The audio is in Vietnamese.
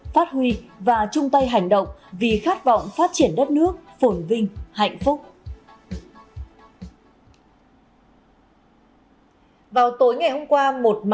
phát huy và chung tay hành động vì khát vọng phát triển đất nước phổn vinh hạnh phúc